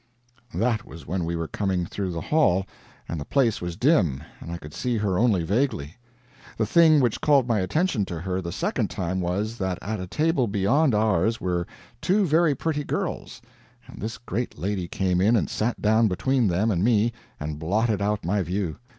That was when we were coming through the hall, and the place was dim, and I could see her only vaguely. The thing which called my attention to her the second time was, that at a table beyond ours were two very pretty girls, and this great lady came in and sat down between them and me and blotted out my view.